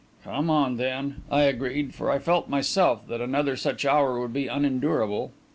"Come on, then," I agreed, for I felt myself that another such hour would be unendurable.